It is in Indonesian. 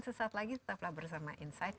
sesaat lagi tetaplah bersama insight